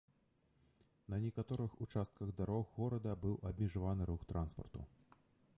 На некаторых участках дарог горада быў абмежаваны рух транспарту.